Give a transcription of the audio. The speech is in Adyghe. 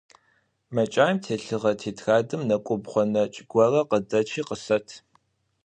МэкӀаим телъыгъэ тетрадым нэкӀубгъо нэкӀ горэ къыдэчи, къысэт.